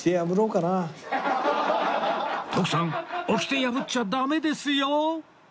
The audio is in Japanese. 徳さん掟破っちゃダメですよ！